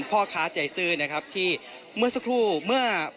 พ่อค้าใจซื้อนะครับที่เมื่อสักครู่เมื่อ